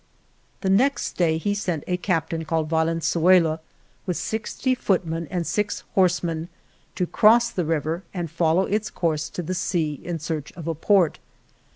The next day he sent a captain called Valenzuela with sixty footmen and six horsemen to cross the river and follow its course to the sea in search of a port.